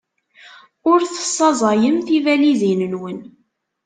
Ur tessaẓayem tibalizin-nwen.